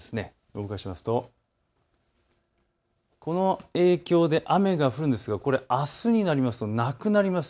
動かすとこの影響で雨が降るんですがこれはあすになるとなくなります。